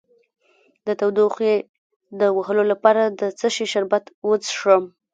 د تودوخې د وهلو لپاره د څه شي شربت وڅښم؟